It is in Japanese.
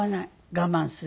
我慢する。